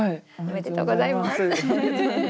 おめでとうございます。